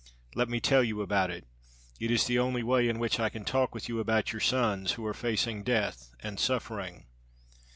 Let me tell you about it. It is the only way in which I can talk with you about your sons who are facing death and suffering.